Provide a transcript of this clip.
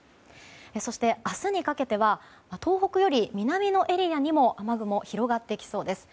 そして、明日にかけては東北より南のエリアにも雨雲が広がってきそうです。